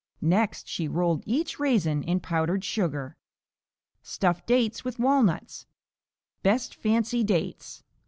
Next she rolled each raisin in powdered sugar. Stuffed Dates with Walnuts Best fancy dates.